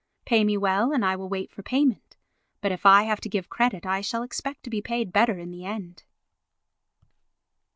Pay me well and I will wait for payment, but if I have to give credit I shall expect to be paid better in the end."